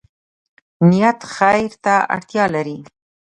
نیت خیر ته اړتیا لري